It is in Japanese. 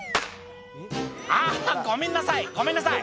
あっ、ごめんなさい、ごめんなさい。